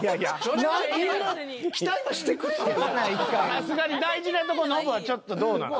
さすがに大事なとこノブはちょっとどうなん？